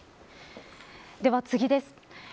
では、次です。